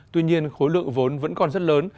tuy nhiên khối lượng vốn vẫn còn rất lớn